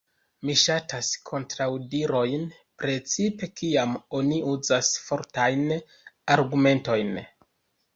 Mi ŝatas kontraŭdirojn, precipe kiam oni uzas fortajn argumentojn.